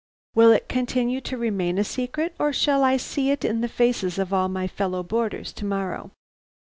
Will it continue to remain a secret, or shall I see it in the faces of all my fellow boarders to morrow?'